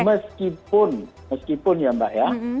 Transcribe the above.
meskipun meskipun ya mbak ya